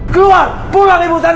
keluar pulang ibu sana